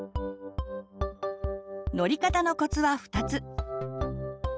乗り方のコツは２つ。